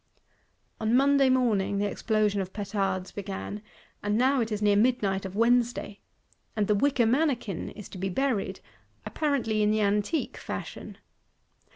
On Monday morning the explosion of petards began: and now it is near midnight of Wednesday; and the "wicker Mannequin" is to be buried,—apparently in the Antique fashion.